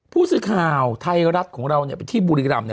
ผู้ราชิภาพไทยรัฐของเรานี่ที่บุรีรัมพ์นะ